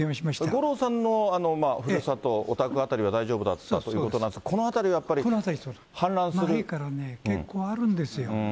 五郎さんのふるさと、お宅辺りは大丈夫だったということなんですが、この辺りはやっぱ古いからね、結構あるんですよ。